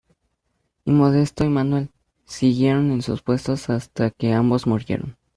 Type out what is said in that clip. Y Modesto y Manuel siguieron en sus puestos, hasta que ambos murieron.